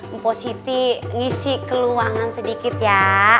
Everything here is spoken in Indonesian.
empok siti ngisi keluangan sedikit ya